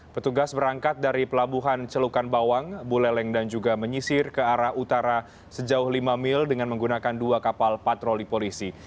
petugas berangkat dari pelabuhan celukan bawang buleleng dan juga menyisir ke arah utara sejauh lima mil dengan menggunakan dua kapal patroli polisi